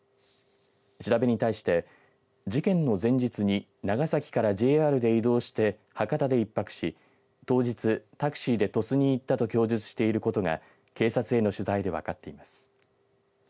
調べに対して、事件の前日に長崎からＪＲで移動して博多で１泊し、当日タクシーで鳥栖に行ったと供述していることが警察への取材で分かっています。